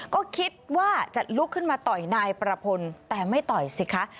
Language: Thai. ก็คิดว่าจะลุกขึ้นมาต่อยนายประพลแต่ไม่ต่อยสิคะ